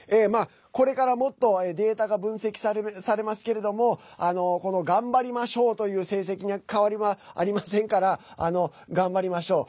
これからもっとデータが分析されますけれどもこの「がんばりましょう」という成績に代わりはありませんから頑張りましょう。